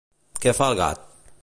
Què fa el gat?